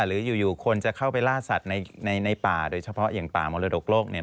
หรืออยู่คนจะเข้าไปล่าสัตว์ในป่าโดยเฉพาะอย่างป่ามรดกโลกเนี่ย